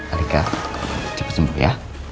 alika cepat sembuh ya